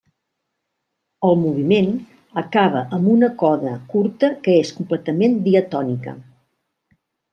El moviment acaba amb una coda curta que és completament diatònica.